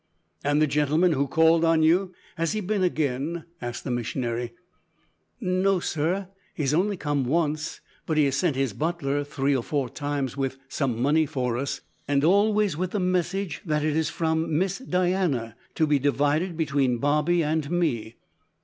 "And the gentleman who called on you, has he been again?" asked the missionary. "No, sir, he has only come once, but he has sent his butler three or four times with some money for us, and always with the message that it is from Miss Diana, to be divided between Bobby and me.